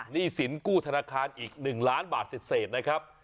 หนี้สินกู้ธนาคารอีก๑ล้านบาทเศษนะครับ